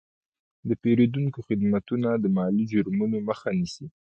د پیرودونکو خدمتونه د مالي جرمونو مخه نیسي.